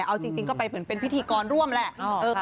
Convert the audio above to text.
เอาจริงก็ไปเหมือนเป็นพิธีกรร่วมแหละ